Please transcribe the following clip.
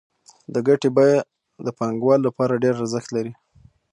د ګټې بیه د پانګوال لپاره ډېر ارزښت لري